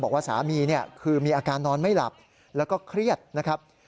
บอกว่าสามีเนี่ยคือมีอาการนอนไม่หลับแล้วก็เครียดนะครับ